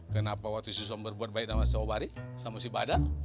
kenapa waktu si sobari sama si badar